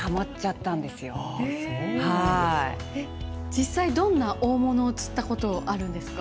実際どんな大物を釣ったことあるんですか？